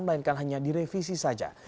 melainkan hanya direvisi saja